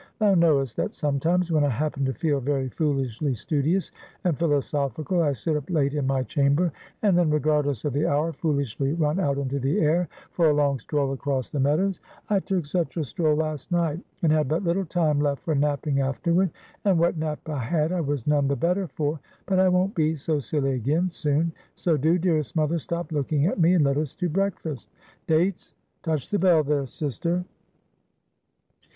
Thou knowest that sometimes, when I happen to feel very foolishly studious and philosophical, I sit up late in my chamber; and then, regardless of the hour, foolishly run out into the air, for a long stroll across the meadows. I took such a stroll last night; and had but little time left for napping afterward; and what nap I had I was none the better for. But I won't be so silly again, soon; so do, dearest mother, stop looking at me, and let us to breakfast. Dates! Touch the bell there, sister.'